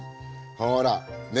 ほらね